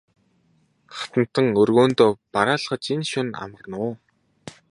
Хатантан өргөөндөө бараалхаж энэ шөнө амарна уу?